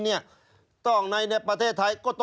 ชีวิตกระมวลวิสิทธิ์สุภาณฑ์